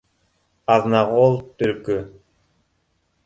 Аҙнағол — төлкө